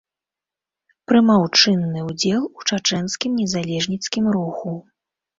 Прымаў чынны ўдзел у чачэнскім незалежніцкім руху.